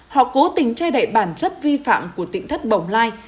họ cố tình che đậy bản chất vi phạm của tỉnh thất bồng lai